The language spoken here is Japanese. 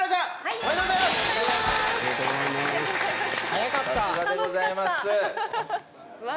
ありがとうございます。